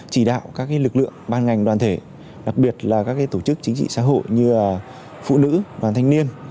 chỉ đạo các lực lượng ban ngành đoàn thể đặc biệt là các tổ chức chính trị xã hội như phụ nữ đoàn thanh niên